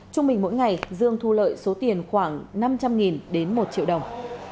trung bình mỗi ngày dương thu lợi số tiền khoảng năm trăm linh đến một triệu đồng